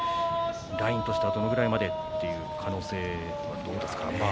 ラインとしては、どのぐらいまでという可能性でしょうか？